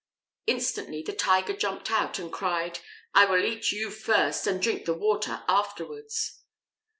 Instantly the Tiger jumped out, and cried, "I will eat you first and drink the water afterwards."